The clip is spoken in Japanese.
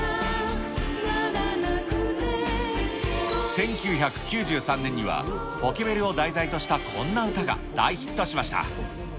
１９９３年には、ポケベルを題材としたこんな歌が大ヒットしました。